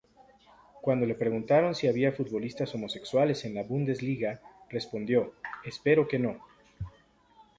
Cuando le preguntaron si había futbolistas homosexuales en la Bundesliga, respondió: "espero que no".